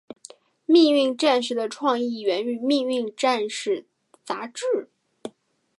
命运战士的创意源于命运战士杂志。